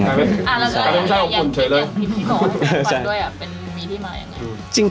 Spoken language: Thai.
แปลงฟันด้วยอะมีที่มายังไง